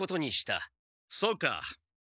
そうか。